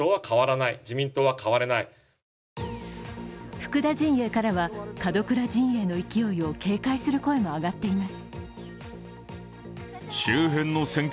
福田陣営からは角倉陣営の勢いを警戒する声も上がっています。